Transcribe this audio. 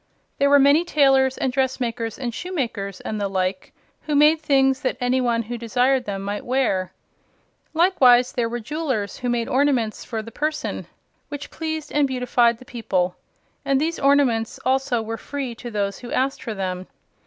There were many tailors and dressmakers and shoemakers and the like, who made things that any who desired them might wear. Likewise there were jewelers who made ornaments for the person, which pleased and beautified the people, and these ornaments also were free to those who asked for them.